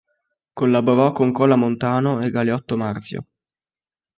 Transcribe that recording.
Collaborò con Cola Montano e Galeotto Marzio.